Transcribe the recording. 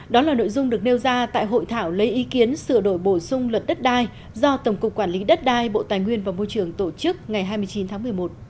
đó là nội dung được nêu ra tại hội thảo lấy ý kiến sửa đổi bổ sung luật đất đai do tổng cục quản lý đất đai bộ tài nguyên và môi trường tổ chức ngày hai mươi chín tháng một mươi một